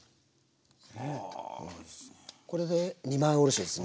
これで二枚おろしですね。